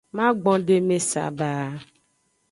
Magbondeme saba.